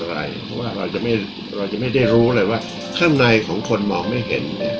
เพราะว่าเราจะไม่ได้รู้เลยว่าข้างในของคนมองไม่เห็น